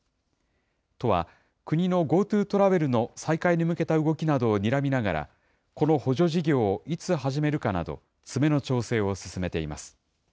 都は、国のＧｏＴｏトラベルの再開に向けた動きなどをにらみながら、この補助事業をいつ始めるかなど、詰めの調整を進めています。